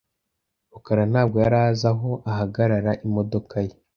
rukara ntabwo yari azi aho ahagarara imodoka ye .